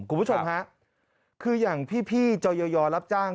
คุณผู้ชมฮะคืออย่างพี่จอยอรับจ้าง